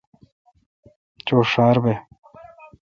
چھو ڄھار بہ۔